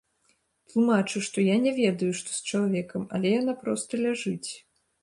Тлумачу, што я не ведаю, што з чалавекам, але яна проста ляжыць.